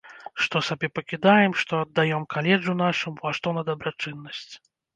Што сабе пакідаем, што аддаём каледжу нашаму, а што на дабрачыннасць.